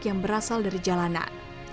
yang berasal dari jalanan